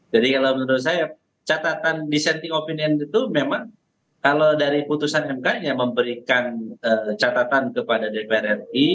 jadi kalau menurut saya catatan dissenting opinion itu memang kalau dari putusan mk nya memberikan catatan kepada dpr ri